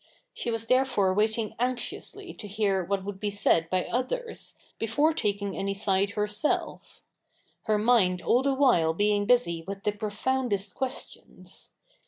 She was there fore waiting anxiously to hear what would be said by others, before taking any side herself ; her mind all the while being busy with the profoundest questions.